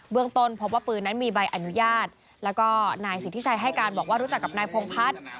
ต้นพบว่าปืนนั้นมีใบอนุญาตแล้วก็นายสิทธิชัยให้การบอกว่ารู้จักกับนายพงพัฒน์